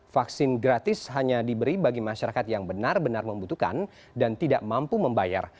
vaksin gratis hanya diberi bagi masyarakat yang benar benar membutuhkan dan tidak mampu membayar